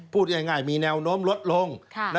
พูดง่ายมีแนวโน้มลดลง